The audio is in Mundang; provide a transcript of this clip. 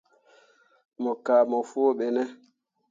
Mo kah mo foo ɓe ne.